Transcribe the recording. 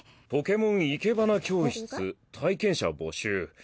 「ポケモン生け花教室体験者募集。